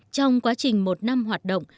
trong quá trình một năm hoạt động